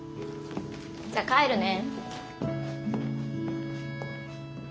じゃあ帰るね。